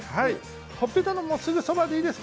ほっぺたのすぐそばでいいです。